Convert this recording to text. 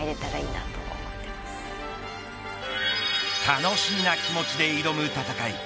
楽しみな気持ちで挑む戦い